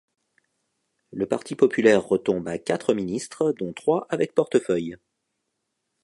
Le Parti populaire retombe à quatre ministres, dont trois avec portefeuilles.